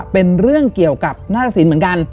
เป็นเรื่องเกี่ยวกับหน้าตะสินเหมือนกัน